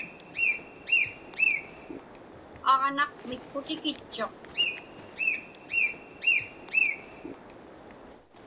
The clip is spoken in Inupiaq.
Aġnaq mitqutikitchuq.